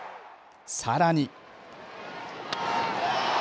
さらに。